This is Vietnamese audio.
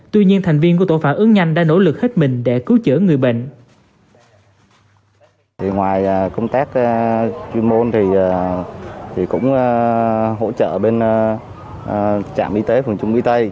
tuy nhiên thành viên của tổ phản ứng nhanh đã nỗ lực hết mình để cứu chữa người bệnh